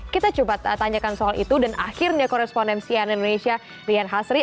kita coba tanyakan soal itu dan akhirnya korespondensi ann indonesia rian hasri